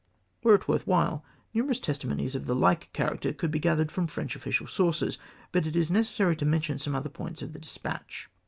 Were it worth while, numerous testimonies of the hke character could be gathered from French official sources, but it is necessary to mention some other points of the despatch.